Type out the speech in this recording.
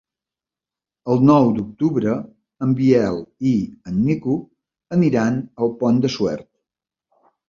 El nou d'octubre en Biel i en Nico aniran al Pont de Suert.